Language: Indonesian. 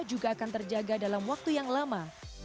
juga akan terjaga dalam waktu yang lama